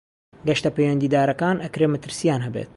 گەشتە پەیوەندیدارەکان ئەکرێ مەترسیان هەبێت.